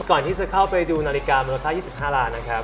ก่อนที่จะเข้าไปดูนาฬิกามูลค่า๒๕ล้านนะครับ